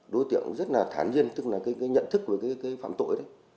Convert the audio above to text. đối tượng rất là thán nhiên tức là cái nhận thức về cái phạm tội đấy